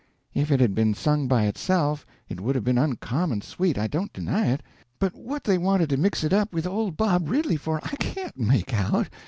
"If it had been sung by itself, it would have been uncommon sweet, I don't deny it; but what they wanted to mix it up with 'Old Bob Ridley' for, I can't make out.